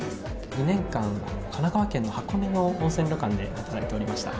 ２年間、神奈川県の箱根の温泉旅館で働いておりました。